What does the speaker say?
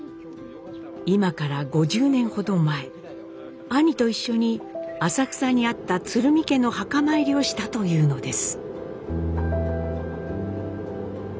今から５０年ほど前兄と一緒に浅草にあった鶴見家の墓参りをしたというのです。